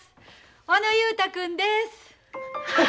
小野雄太君です！